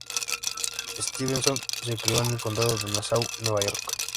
Stevenson se crio en el Condado de Nassau, Nueva York.